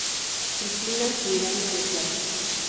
Cristina Miranda de Plate.